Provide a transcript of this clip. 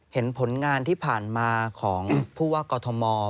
เห็นผลงานที่ผ่านมาของผู้ว่ากอทม